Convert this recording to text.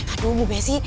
aduh bu besi